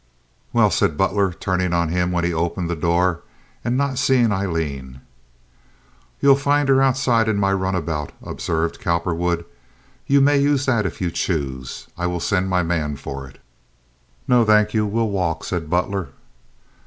"Well?" said Butler, turning on him when he opened the door, and not seeing Aileen. "You'll find her outside in my runabout," observed Cowperwood. "You may use that if you choose. I will send my man for it." "No, thank you; we'll walk," said Butler.